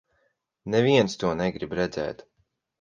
Neviens to negrib redzēt.